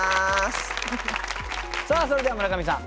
さあそれでは村上さん